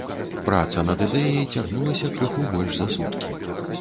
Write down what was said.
Праца над ідэяй цягнулася крыху больш за суткі.